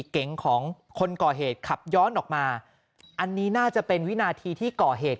มอเตอร์ไซค์ขับย้อนออกมาอันนี้น่าจะเป็นวินาทีที่ก่อเหตุ